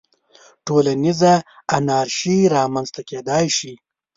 ټولنیزه انارشي رامنځته کېدای شي.